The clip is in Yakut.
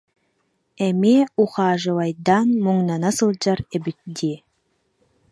Эмиэ «ухаживайдаан» муҥнана сылдьар эбит дии